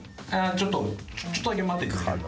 ちょっとちょっとだけ待っていただいて。